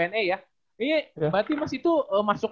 ini berarti mas itu masuk